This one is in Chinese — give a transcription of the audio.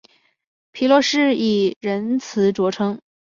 皮洛士还以仁慈着称。